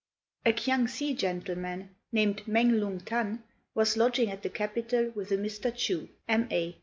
A Kiang si gentleman, named Mêng Lung t'an, was lodging at the capital with a Mr. Chu, M.A.